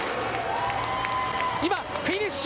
今、フィニッシュ。